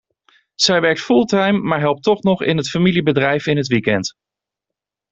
Zij werkt fulltime, maar helpt toch nog in het familiebedrijf in het weekend.